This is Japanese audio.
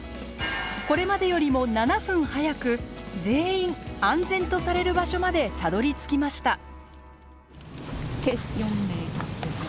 これまでよりも７分早く全員安全とされる場所までたどりつきました。